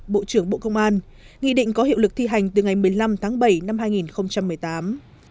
bộ trưởng bộ công an nghị định có hiệu lực thi hành từ ngày một mươi năm tháng bảy năm hai nghìn một mươi tám